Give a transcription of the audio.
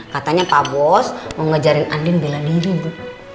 katanya pak bos mau ngajarin andin bela diri bu